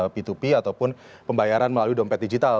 p dua p ataupun pembayaran melalui dompet digital